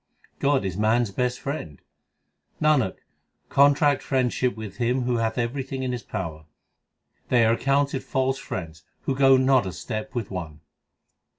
God is man s best friend : Nanak, contract friendship with Him who hath everything in His power. They are accounted false friends who go not a step with one.